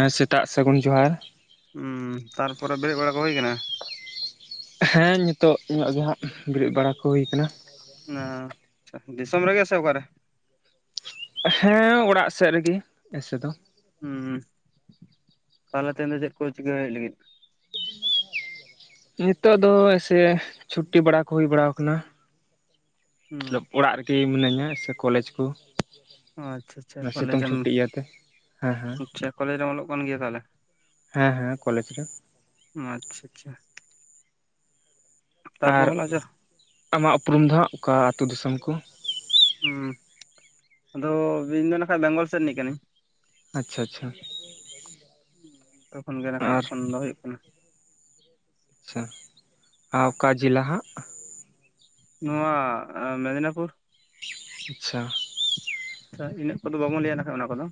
ᱦᱮᱸ ᱥᱮᱛᱟᱜ ᱥᱟᱹᱜᱩᱱ ᱡᱚᱦᱟᱨ ᱦᱸ ᱛᱟᱨᱯᱚᱨᱮ ᱵᱮᱨᱮᱫ ᱵᱟᱲᱟ ᱠᱚ ᱦᱩᱭ ᱠᱟᱱᱟ ᱛᱚ ᱤᱧᱟᱹᱜ ᱜᱮ ᱦᱟᱸᱜ ᱵᱮᱨᱮᱫ ᱵᱟᱲᱟ ᱠᱚ ᱦᱩᱭ ᱟᱠᱟᱱᱟ ᱟᱪᱪᱷᱟ ᱫᱤᱥᱚᱢ ᱨᱮᱜᱮ ᱥᱮ ᱚᱠᱟᱨᱮ ᱦᱮᱸ ᱚᱲᱟᱜ ᱥᱮᱫ ᱨᱮᱜᱤ ᱮᱥᱮ ᱫᱚ ᱦᱩᱸ ᱛᱟᱦᱞᱮ ᱛ ᱫᱚ ᱪᱮᱫ ᱠᱚ ᱪᱤᱠᱟᱹᱭ ᱦᱩᱭᱩᱜ ᱞᱟᱹᱜᱤᱫ ᱱᱤᱛᱚᱜ ᱫᱚ ᱮᱥᱮ ᱪᱷᱩᱴᱤ ᱵᱟᱲᱟ ᱠᱚ ᱦᱩᱭ ᱵᱟᱲᱟᱣ ᱠᱟᱱᱟ ᱢᱚᱛᱞᱚᱵ ᱚᱲᱟᱜ ᱨᱮᱜᱮ ᱢᱤᱱᱟᱹᱧᱟ ᱥᱮ ᱠᱚᱞᱮᱡᱽ ᱠᱚ ᱟᱪᱪᱷᱟ ᱟᱪᱪᱷᱟ ᱥᱤᱛᱩᱝ ᱠᱚᱞᱮᱡᱽᱮᱢ ᱪᱷᱩᱴᱤ ᱤᱭᱟᱹᱛᱮ ᱦᱮᱸ ᱦᱮᱸ ᱟᱪᱪᱷᱟ ᱠᱚᱞᱮᱡᱽ ᱨᱮᱢ ᱚᱞᱚᱜ ᱠᱟᱱ ᱜᱮᱭᱟ ᱛᱟᱦᱚᱞᱮ ᱦᱮᱸ ᱦᱮᱸ ᱠᱚᱞᱮᱡᱽ ᱨᱮ ᱟᱪᱪᱷᱟ ᱟᱪᱪᱷᱟ ᱛᱟᱨᱯᱚᱨ ᱟᱨ ᱦᱚᱞᱟ ᱟᱪᱪᱷᱟ ᱟᱢᱟᱜ ᱩᱯᱨᱩᱢ ᱫᱚ ᱦᱟᱸᱜ ᱚᱠᱟ ᱟᱹᱛᱩᱳ ᱫᱤᱥᱚᱢ ᱠᱚ ᱦᱮᱸ ᱟᱫᱚ ᱤᱧᱫᱚ ᱱᱟ ᱠᱷᱟᱡ ᱵᱮᱝᱜᱚᱞ ᱥᱮᱫ ᱨᱤᱱᱤᱡ ᱠᱟᱹᱱᱟᱹᱧ ᱟᱪᱪᱷᱟ ᱟᱪᱪᱷᱟ ᱛᱚᱠᱷᱚᱱ ᱜᱮ ᱱᱟ ᱠᱷᱷᱟᱡ ᱟᱨ ᱯᱷᱳᱱ ᱫᱚ ᱦᱩᱭᱩᱜ ᱠᱟᱱᱟ ᱟᱪᱪᱷᱟ ᱟᱨ ᱚᱠᱟ ᱡᱮᱞᱟ ᱦᱟᱸᱜ ᱱᱚᱣᱟ ᱢᱮᱫᱽᱱᱟᱤᱯᱩᱨ ᱟᱪᱪᱷᱟ ᱤᱱᱟᱹᱜ ᱠᱚᱫᱚ ᱵᱟᱵᱚᱱ ᱞᱟᱹᱭᱟ ᱱᱟᱠᱷᱟᱡ ᱚᱱᱟ ᱠᱚᱫᱚ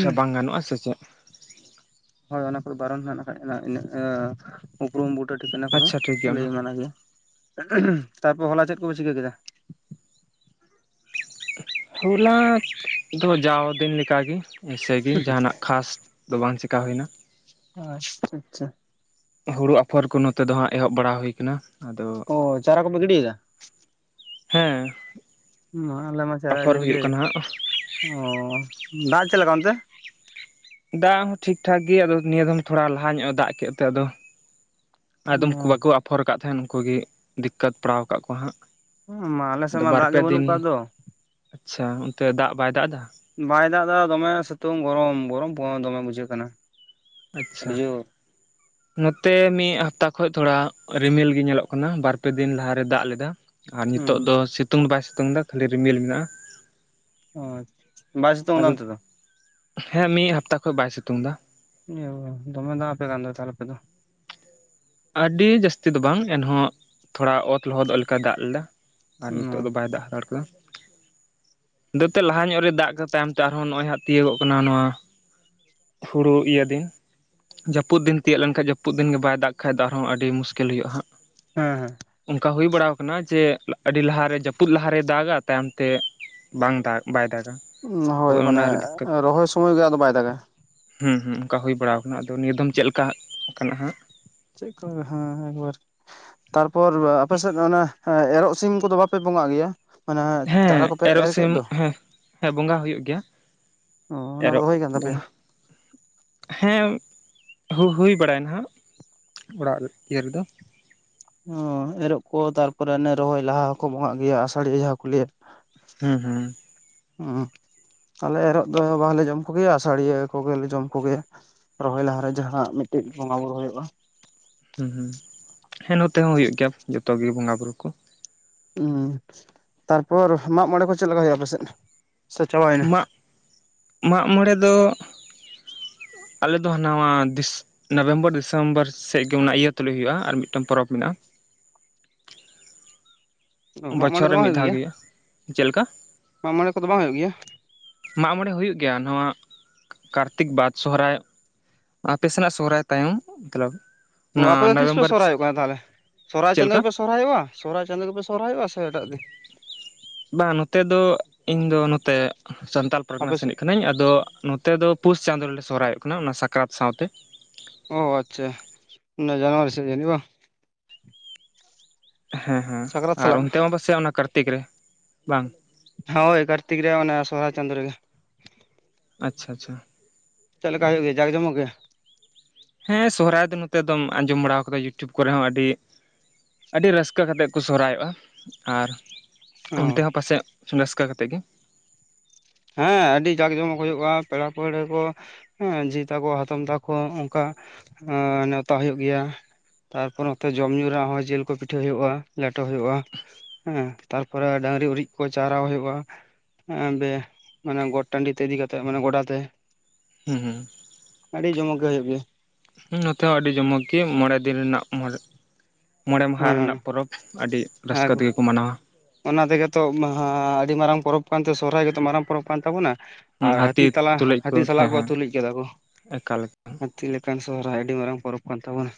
ᱥᱮ ᱵᱟᱝ ᱜᱟᱱᱚᱜᱼᱟ ᱥᱮ ᱪᱮᱫ ᱦᱳᱭ ᱚᱱᱟ ᱠᱚᱫᱚ ᱵᱟᱨᱚᱱ ᱦ ᱠᱷᱟᱱ ᱤᱱᱟᱹ ᱩᱯᱨᱩᱢ ᱵ ᱴ ᱴᱷᱤᱠᱟᱹᱱᱟ ᱠᱚᱫᱚ ᱟᱪᱪᱷᱟ ᱴᱷᱤᱠ ᱜᱮᱭᱟ ᱞᱟᱹᱭ ᱚᱱᱟ ᱢᱟᱱᱟ ᱜᱮᱭᱟ ᱛᱟᱨᱯᱚᱨ ᱦᱚᱞᱟ ᱪᱮᱫ ᱠᱚᱯᱮ ᱪᱤᱠᱟᱹ ᱠᱮᱫᱟ ᱦᱚᱞᱟ ᱫᱚ ᱡᱟᱣ ᱫᱤᱱ ᱞᱮᱠᱟᱟᱜᱮ ᱮᱭᱥᱮᱜᱮ ᱡᱟᱦᱟᱱᱟᱜ ᱠᱷᱟᱥ ᱫᱚ ᱵᱟᱝ ᱪᱮᱠᱟ ᱦᱩᱭᱱᱟ ᱟᱪᱪᱷᱟ ᱟᱪᱪᱷᱟ ᱦᱩᱲᱩ ᱟᱯᱷᱚᱨ ᱠᱚ ᱱᱚᱛᱮ ᱫᱚᱦᱟᱸᱜ ᱮᱦᱚᱵ ᱵᱟᱲᱟ ᱦᱩ ᱟᱠᱟᱱᱟ ᱚ ᱪᱟᱨᱟ ᱠᱚᱯᱮ ᱜᱤᱰᱮᱫᱟ ᱦᱮᱸ ᱦᱩᱸ ᱟᱞᱮ ᱢᱟ ᱟᱯᱷᱚᱨ ᱪᱟᱨᱟᱞᱮ ᱦᱩᱭᱩᱜ ᱠᱟᱱᱟ ᱦᱟᱸᱜ ᱚᱻ ᱫᱟᱜ ᱪᱮᱫ ᱞᱮᱠᱟ ᱚᱱᱛᱮ ᱫᱟᱜ ᱦᱚᱸ ᱴᱷᱤᱠ ᱴᱷᱟᱠ ᱜᱮ ᱱᱤᱭᱟᱹ ᱫᱚᱚᱢ ᱛᱷᱚᱲᱟ ᱞᱟᱦᱟ ᱧᱚᱜᱼᱟ ᱫᱟᱜ ᱠᱮᱫ ᱛᱮ ᱟᱫᱚ ᱟᱠᱫᱚᱢ ᱵᱟᱠᱚ ᱟᱯᱷᱚᱨ ᱟᱠᱟᱫ ᱛᱟᱦᱮᱸᱱ ᱩᱱᱠᱩ ᱜᱮ ᱫᱤᱠᱠᱚᱛ ᱯᱟᱲᱟᱣ ᱟᱠᱟᱫ ᱠᱚᱣᱟ ᱦᱟᱸᱜ ᱢᱟ ᱟᱞᱮ [inaudible] ᱥᱮᱫ ᱟᱫᱚ ᱢᱟ ᱫᱟᱜ ᱜᱮ ᱵᱟᱨᱯᱮ ᱵᱟᱹᱱᱩᱜ ᱫᱤᱱ ᱟᱠᱟᱫ ᱫᱚ ᱟᱪᱪᱷᱟ ᱚᱱᱛᱮ ᱫᱟᱜ ᱵᱟᱭ ᱫᱟᱜ ᱮᱫᱟ ᱵᱟᱭ ᱫᱟᱜ ᱮᱫᱟ ᱫᱚᱢᱮ ᱥᱤᱛᱩᱝ ᱜᱚᱨᱚᱢ ᱜᱚᱨᱚᱢ ᱯ ᱫᱚᱢᱮ ᱵᱩᱡᱷᱟᱹᱜ ᱠᱟᱱᱟ ᱟᱹᱰᱤ ᱟᱪᱪᱷᱟ ᱡᱳᱨ ᱱᱚᱛᱮ ᱢᱤᱫ ᱦᱟᱯᱛᱟ ᱠᱷᱚᱡ ᱛᱷᱚᱲᱟ ᱨᱤᱢᱤᱞ ᱜᱮ ᱧᱮᱞᱚᱜ ᱠᱟᱱᱟ ᱵᱟᱨ ᱯᱮ ᱫᱤᱱ ᱞᱟᱦᱟᱨᱮ ᱫᱟᱜ ᱞᱮᱫᱟ ᱟᱨ ᱦᱩᱸ ᱱᱤᱛᱚᱜ ᱫᱚ ᱥᱤᱛᱩᱝ ᱵᱟᱭ ᱥᱤᱛᱩ [inaudible] ᱥᱤᱛᱩᱝᱫᱟ ᱠᱷᱟᱹᱞᱤᱰᱤ ᱨᱤᱢᱤᱞ ᱢᱮᱱᱟᱜᱼᱟ ᱚᱪ ᱵᱟᱭ ᱥᱮᱛᱳᱝ ᱫᱟ ᱟᱫᱚ ᱚᱱᱛᱮᱫᱚ ᱦᱮᱸ ᱢᱤᱫ ᱦᱟᱯᱛᱟ ᱠᱷᱚᱱ ᱵᱟᱭ ᱥᱤᱛᱩᱝ ᱮᱫᱟ ᱫᱚᱢᱮ ᱫᱟᱜ ᱟᱯᱮ ᱠᱟᱱ ᱫᱚᱭ ᱟᱯᱮ ᱫᱚ ᱟᱹᱰᱤ ᱡᱟᱹᱥᱛᱤ ᱫᱚ ᱵᱟᱝ ᱮᱱᱦᱚᱸ ᱛᱷᱚᱲᱟ ᱚᱛ ᱞᱚᱦᱚᱫᱚᱜ ᱞᱮᱠᱟᱟᱭ ᱫᱟᱜ ᱞᱮᱫᱟ [inaudible] ᱟᱨ ᱱᱤᱛᱳᱜ ᱦᱮᱸ ᱫᱚ ᱵᱟᱭ ᱫᱟᱜ ᱦᱟᱛᱟᱲ ᱠᱟᱫᱟ ᱟᱫᱚᱛᱚ ᱞᱟᱦᱟ ᱧᱚᱜ ᱨᱮ ᱫᱟᱜ ᱛᱟᱭᱚᱢ ᱛᱮ ᱟᱨᱦᱚᱸ ᱱᱚᱜᱼᱚᱭ ᱦᱟᱜ ᱛᱤᱭᱳᱜᱚᱜ ᱠᱟᱱᱟ ᱱᱚᱣᱟ ᱦᱩᱲᱩ ᱤᱭᱟᱹ ᱫᱤᱱ ᱡᱟᱹᱯᱩᱫ ᱫᱤᱱ ᱛᱤᱭᱳᱜ ᱞᱮᱱᱠᱷᱟᱱ ᱡᱟᱹᱯᱩᱫ ᱫᱤᱱ ᱜᱮ ᱵᱟᱭ ᱫᱟᱜ ᱵᱟᱠᱷᱟᱡ ᱟᱨᱦᱚᱸ ᱟᱹᱰᱤ ᱢᱩᱥᱠᱤᱞ ᱦᱩᱭᱩᱜᱼᱟᱟᱸᱜ ᱦᱮᱸ ᱦᱮᱸ ᱵ ᱵᱟᱲᱟ ᱟᱠᱟᱱᱟ ᱡᱮ ᱟᱹᱰᱤ ᱞᱟᱦᱟᱨᱮ ᱡᱟᱹᱯᱩᱫ ᱞᱟᱦᱟᱨᱮᱭ ᱫᱟᱜᱟ ᱛᱟᱭᱚᱢᱛᱮ ᱵᱟᱝ ᱫᱟᱜ ᱵᱟᱭ ᱫᱟᱜᱟ ᱦᱳᱭ ᱛᱚᱵᱮ ᱢᱟᱱᱮ ᱚᱱᱟᱨᱮ ᱨᱚᱦᱚᱭ ᱥᱚᱢᱚᱭ ᱜᱮ ᱟᱫᱚ ᱵᱟᱭ ᱫᱟᱜᱟ ᱦᱮᱸ ᱦᱸ ᱚᱱᱠᱟ ᱦᱩᱭ ᱵᱟᱲᱟ ᱟᱠᱟᱱᱟ ᱟᱫᱚ ᱱᱤᱭᱟᱹ ᱫᱚᱚᱢ ᱪᱮᱫ ᱞᱮᱠᱟ ᱠᱟᱱᱟ ᱦᱜ ᱪᱮᱫ ᱠᱚ ᱦᱮᱸ ᱮᱵᱟᱨ ᱛᱟᱨᱯᱚᱨ ᱟᱯᱮᱥᱮᱫ ᱚᱱᱟ ᱮᱨᱚᱜ ᱥᱤᱢ ᱠᱚᱫᱚ ᱵᱟᱯᱮ ᱵᱚᱸᱜᱟᱜ ᱜᱮᱭᱟ ᱜᱮᱭᱟ ᱢᱟᱱᱮ ᱦᱮᱸ ᱛᱟᱨᱟ ᱠᱚᱯᱮ ᱮᱨᱚᱜ ᱮᱨ ᱠᱮᱜ ᱥᱤᱢ ᱫᱚ ᱦᱮᱸ ᱦᱮᱸ ᱵᱚᱸᱜᱟ ᱦᱩᱭᱩᱜ ᱜᱮᱭᱟ ᱚ ᱚᱱᱟ ᱮᱨᱚᱜ ᱠᱚᱫᱚ ᱦᱳᱭ ᱠᱟᱱ ᱛᱟᱯᱮᱭᱟ ᱵᱚᱸᱜᱟ ᱦᱮᱸ ᱦᱩ-ᱦᱩᱭ ᱵᱟᱲᱟᱭ ᱱᱟ ᱦᱟᱜ ᱚᱲᱟᱜ ᱤᱭᱟᱹ ᱨᱮᱫᱚ ᱚ ᱮᱨᱚᱜ ᱠᱚ ᱛᱟᱨᱯᱚᱨᱮ ᱚᱱᱮ ᱨᱚᱦᱚᱭ ᱞᱟᱦᱟ ᱦᱚᱸᱠᱚ ᱵᱚᱸᱜᱟᱜ ᱜᱮᱭᱟ ᱟᱥᱟᱲᱤ ᱡᱟᱦᱟᱸ ᱠᱚ ᱞᱟᱹᱭᱟ ᱦᱩ ᱦᱩ ᱩ ᱟᱞᱮ ᱮᱨᱚᱜ ᱫᱚ ᱵᱟᱞᱮ ᱡᱚᱢ ᱠᱚᱜᱮᱭᱟ ᱟᱥᱟᱲᱤᱭᱟᱹ ᱠᱚᱜᱮᱞᱮ ᱡᱚᱢ ᱠᱚᱜᱮᱭᱟ ᱨᱚᱦᱚᱭ ᱞᱟᱦᱟ ᱨᱮ ᱡᱟᱦᱟ ᱢᱤᱫ [unintelligible] ᱪᱮᱫ ᱵᱚᱸᱜᱟ ᱵᱩᱨᱩ ᱦᱳᱭᱳᱜᱼᱟ ᱦᱩ ᱦᱩ ᱦᱮᱸ ᱱᱚᱛᱮ ᱦᱚᱸ ᱦᱩᱭᱩᱜ ᱜᱮᱭᱟ ᱡᱚᱛᱚ ᱜᱮ ᱵᱚᱸᱜᱟ ᱵᱩᱨᱩ ᱠᱚ ᱩ ᱛᱟᱨᱯᱚᱨ ᱢᱟᱜ ᱢᱚᱬᱮ ᱠᱚ ᱪᱮᱫ ᱞᱮᱠᱟ ᱦᱩᱭᱩᱜᱼᱟ ᱟᱯᱮ ᱥᱮᱫ ᱢᱟᱜ, ᱢᱟᱜ ᱢᱚᱬᱮ ᱫᱚ ᱟᱞᱮ ᱫᱚ ᱱᱚᱣᱟ ᱱᱚᱵᱷᱮᱢᱵᱚᱨ ᱰᱤᱥᱮᱢᱵᱚᱨ ᱥᱮᱜ ᱜᱮ ᱚᱱᱟ ᱤᱭᱟᱹ ᱛᱩᱞᱩᱡ ᱦᱩᱭᱩᱜᱼᱟ ᱟᱨ ᱢᱤᱫᱴᱟᱝ ᱯᱚᱨᱚᱵᱽ ᱢᱮᱱᱟᱜᱼᱟ [unintelligible] ᱢᱟᱜ ᱢᱚᱬᱮ ᱵᱚᱪᱷᱚᱨ ᱫᱚ ᱨᱮ ᱵᱟᱝ ᱢᱤᱫ ᱦᱩᱭᱩᱜ ᱫᱷᱟᱣ ᱜᱮᱭᱟ ᱜᱮ ᱦᱩᱭᱩᱜᱼᱟ ᱪᱮᱫ ᱞᱮᱠᱟ ᱢᱟᱜ ᱢᱚᱬᱮ ᱠᱚᱫᱚ ᱵᱟᱝ ᱦᱩᱭᱩᱜ ᱜᱮᱭᱟ ᱢᱟᱜ ᱢᱚᱬᱮ ᱦᱩᱭᱩᱜ ᱜᱮᱭᱟ ᱱᱚᱣᱟ ᱠᱟᱨᱛᱤᱠ ᱵᱟᱫ ᱥᱚᱦᱨᱟᱭ ᱟᱯᱮ ᱥᱮᱱᱟᱜ ᱥᱚᱦᱨᱟᱭ ᱛᱟᱭᱚᱢ [unintelligible] ᱚ ᱟᱯᱮ ᱫᱚ ᱛᱤᱥ ᱯᱮ ᱱᱚᱵᱷᱮᱢᱵᱚᱨ ᱥᱚᱦᱨᱟᱭᱚᱜ ᱠᱟᱱᱟ ᱛᱟᱦᱚᱞᱮ ᱥᱚᱨᱦᱟᱭ ᱪᱮᱫ ᱪᱟᱸᱫᱚ ᱞᱮᱠᱟ ᱜᱮᱯᱮ ᱥᱚᱨᱦᱟᱭᱚᱜᱼᱟ ᱥᱚᱨᱦᱟᱭ ᱪᱟᱸᱫᱚᱳ ᱜᱮᱯᱮ ᱥᱚᱨᱦᱟᱭᱚᱜᱼᱟ ᱥᱮ ᱮᱴᱟᱜ ᱜᱮ ᱵᱟᱝ ᱱᱚᱛᱮ ᱫᱚ ᱤᱧ ᱫᱚ ᱱᱚᱛᱮ ᱥᱟᱱᱛᱟᱞ ᱯᱟᱨᱜᱟᱱᱟ ᱟᱯᱮ ᱥᱮᱫ ᱥᱮᱱᱤᱡ ᱠᱟᱹᱱᱤᱧ ᱟᱫᱚ [unintelligible] ᱱᱚᱛᱮ ᱫᱚ ᱯᱩᱥ ᱪᱟᱸᱫᱳ ᱨᱮᱞᱮ ᱥᱚᱦᱨᱟᱭᱚᱜ ᱠᱟᱱᱟ ᱚᱱᱟ ᱥᱟᱠᱨᱟᱛ ᱥᱟᱶᱛᱮ ᱚ ᱟᱪᱪᱷᱟ ᱚᱱᱟ ᱡᱟᱱᱩᱣᱟᱨᱤ ᱥᱮᱫ ᱡᱟᱱᱤᱡ ᱵᱟ ᱦᱮᱸ ᱦᱮᱸ ᱥᱟᱠᱨᱟᱛ ᱟᱨ ᱥᱟᱞᱟᱜ ᱚᱱᱛᱮ ᱢᱟ ᱯᱟᱥᱮᱡ ᱚᱱᱟ ᱠᱟᱨᱛᱤᱠ ᱨᱮ ᱵᱟᱝ ᱦᱳᱭ ᱠᱟᱨᱛᱤᱠ ᱨᱮᱭᱟᱜ ᱚᱱᱟ ᱥᱚᱦᱨᱟᱭ ᱪᱟᱸᱫᱳ ᱨᱮᱜᱮ ᱟᱪᱪᱷᱟ ᱟᱪᱪᱷᱟ ᱪᱮᱫ ᱞᱮᱠᱟ ᱦᱳᱭᱳᱜ ᱜᱮᱭᱟ ᱡᱟᱠ ᱡᱚᱢᱚᱠ ᱜᱮᱭᱟ ᱦᱮᱸ ᱥᱚᱦᱨᱟᱭ ᱫᱚ ᱱᱚᱛᱮ ᱫᱚᱢ ᱟᱸᱡᱚᱢ ᱵᱟᱲᱟ ᱠᱟᱫᱟ ᱤᱭᱩᱴᱩᱵᱽ ᱠᱚᱨᱮ ᱦᱚᱸ ᱟᱹᱰᱤ ᱟᱹᱰᱤ ᱨᱟᱹᱥᱠᱟᱹ ᱠᱟᱛᱮᱜ ᱠᱚ ᱥᱚᱦᱨᱟᱭᱚᱜᱼᱟ ᱟᱨ ᱚ ᱚᱱᱛᱮ ᱦᱚᱸ ᱯᱟᱥᱮᱡ ᱨᱟᱹᱥᱠᱟᱹ ᱠᱟᱛᱮᱫ ᱜᱮ ᱦᱮᱸ ᱟᱹᱰᱤ ᱡᱟᱠ ᱡᱚᱢᱚᱠ ᱦᱳᱭᱳᱜᱼᱟ ᱯᱮᱲᱟ ᱯᱟᱹᱲᱦᱟᱹ ᱠᱚ ᱦᱮᱸ ᱡᱷᱤ ᱛᱟᱠᱚ ᱦᱟᱛᱚᱢ ᱛᱟᱠᱚ ᱚᱝᱠᱟ [unintelligible] ᱱᱮᱶᱛᱟ ᱦᱩᱭᱩᱜ ᱜᱮᱭᱟ ᱛᱟᱨᱯᱚᱨ ᱱᱚᱛᱮ ᱡᱚᱢ ᱧᱩ ᱨᱮᱭᱟᱜ ᱦᱚᱸ ᱡᱤᱞ ᱠᱚ ᱯᱤᱴᱷᱟᱹ ᱦᱳᱭᱳᱜᱼᱟ ᱞᱮᱴᱚ ᱦᱳᱭᱳᱜ-ᱟ [unintelligible] ᱛᱟᱨ ᱯᱚᱨᱮ [unintelligible] [unintelligible] ᱩᱨᱤᱡ ᱠᱚ ᱪᱟᱨᱟᱣ ᱦᱳᱭᱳᱜ-ᱟ [unintelligible] ᱢᱟᱱᱮ ᱜᱚᱴ ᱴᱟᱺᱰᱤ ᱛᱮ ᱤᱫᱤ ᱠᱟᱛᱮᱜ ᱢᱟᱱᱮ ᱜᱚᱰᱟ ᱛᱮ᱾ ᱦᱩ ᱦᱩ ᱟᱹᱰᱤ ᱡᱚᱢᱚᱠ ᱜᱮ ᱦᱳᱭᱳᱜ ᱜᱮᱭᱟ ᱱᱚᱛᱮ ᱦᱚᱸ ᱟᱹᱰᱤ ᱡᱚᱢᱚᱠ ᱜᱮ ᱢᱚᱬᱮ ᱫᱤᱱ ᱨᱮᱱᱟᱜ ᱢᱚᱬ ᱢᱚᱬᱮ ᱢᱟᱦᱟ ᱨᱮᱱᱟᱜ ᱦᱮᱸ ᱯᱚᱨᱚᱵᱽ ᱟᱹᱰᱤ ᱦᱮᱸ ᱨᱟᱹᱥᱠᱟᱹ ᱛᱮᱜᱮ ᱠᱚ ᱢᱟᱱᱟᱣᱟ ᱚᱱᱟ ᱛᱮᱜᱮ ᱛᱚ ᱢᱟᱦᱟ ᱟᱹᱰᱤ ᱢᱟᱨᱟᱝ ᱯᱚᱨᱚᱵᱽ ᱠᱟᱱ ᱛᱮ ᱥᱚᱦᱨᱟᱭ ᱜᱮᱛᱚ ᱢᱟᱨᱟᱝ ᱯᱚᱨᱚᱵᱽ ᱠᱟᱱ ᱛᱟᱵᱚᱱᱟ ᱟᱨ ᱦᱟᱹᱛᱤ ᱛᱟᱞᱟ ᱛᱩᱞᱩᱡ ᱦᱟᱹᱛᱤ ᱥᱟᱞᱟᱜ ᱦᱮᱸ ᱠᱚ ᱦᱮᱸ ᱛᱩᱞᱩᱡ ᱠᱟᱫᱟ ᱠᱚ ᱮᱠᱟᱞ ᱦᱟᱹᱛᱤ ᱞᱮᱠᱟᱱ ᱥᱚᱦᱨᱟᱭ ᱟᱹᱰᱤ ᱢᱟᱨᱟᱝ ᱯᱚᱨᱚᱵᱽ ᱠᱟᱱ ᱛᱟᱵᱚᱱᱟ